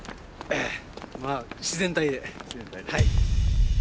まあ自然体で。